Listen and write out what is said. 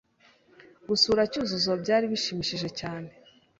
Gusura Cyuzuzo byari bishimishije cyane.